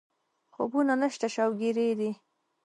خوبونه نشته شوګېري دي